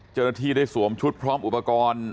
เจ้าหน้าที่ได้สวมชุดพร้อมอุปกรณ์